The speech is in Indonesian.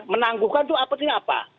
menangguhkan itu apatnya apa